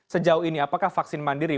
sejauh ini apakah vaksin mandiri